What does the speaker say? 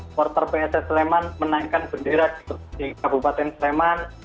sporter pasm sleman menaikkan bendera di kabupaten sleman